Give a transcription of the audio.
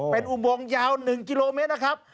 เป็นอุโมงยาว๑กิโลเมตรนะครับ